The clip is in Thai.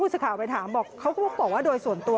พูดสถาบันถามบอกว่าโดยส่วนตัว